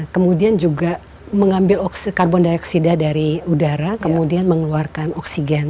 kemudian juga mengambil karbon dioksida dari udara kemudian mengeluarkan oksigen